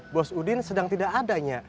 bos udin sedang tidak adanya